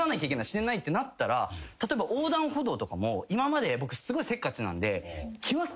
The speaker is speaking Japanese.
死ねないってなったら例えば横断歩道とかも今まで僕すごいせっかちなんできわっ